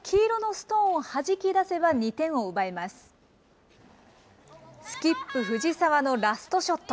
スキップ、藤澤のラストショット。